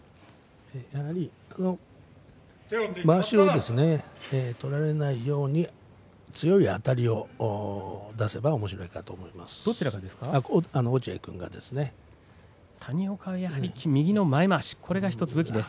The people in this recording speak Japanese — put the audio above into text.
やはりまわしを取られないように強いあたりを出せばおもしろいんじゃないかと思います。